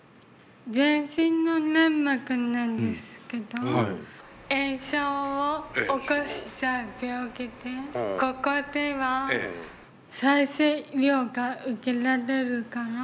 全身の粘膜なんですけど炎症を起こしちゃう病気でここでは再生医療が受けられるから。